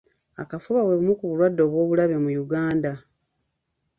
Akafuba bwe bumu ku bulwadde obw'obulabe mu Uganda.